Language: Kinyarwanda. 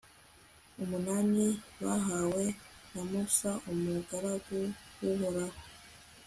umunani bahawe na musa, umugaragu w'uhoraho